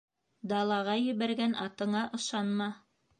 Далаға ебәргән атыңа ышанма.